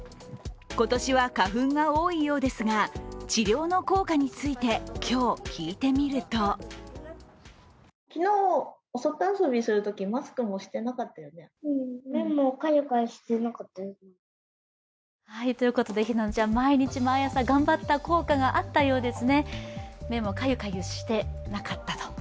今年は花粉が多いようですが治療の効果について、今日、聞いてみると日南乃ちゃん、毎日、毎朝頑張った効果があったようですね。